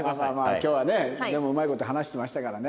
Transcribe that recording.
今日はねでもうまい事話してましたからね。